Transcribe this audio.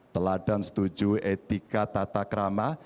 teladan setuju etika tata krama